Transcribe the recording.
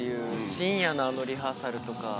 深夜のあのリハーサルとか。